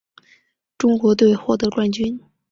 中国队获得冠军。